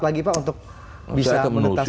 lagi pak untuk bisa menentaskan kasus ini